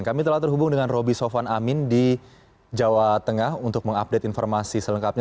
kami telah terhubung dengan roby sofwan amin di jawa tengah untuk mengupdate informasi selengkapnya